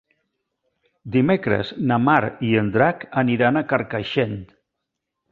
Dimecres na Mar i en Drac aniran a Carcaixent.